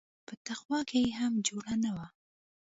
په تقوا کښې يې هم جوړه نه وه.